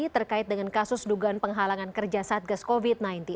terkait dengan kasus dugaan penghalangan kerja satgas covid sembilan belas